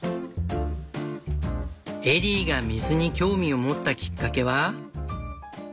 エリーが水に興味を持ったきっかけは。